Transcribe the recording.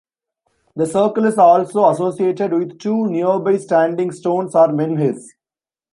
The circle is also associated with two nearby standing stones or menhirs.